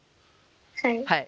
はい。